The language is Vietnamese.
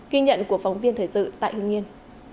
ghi nhận của phóng viên thời sự tại hương yên